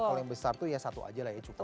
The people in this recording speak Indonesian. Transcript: kalau yang besar itu ya satu aja lah ya cukup